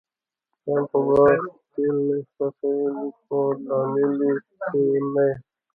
ځان خو به ښکیل نه احساسوې؟ لږ، خو لامل یې ته نه یې.